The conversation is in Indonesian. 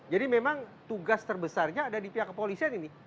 memang tugas terbesarnya ada di pihak kepolisian ini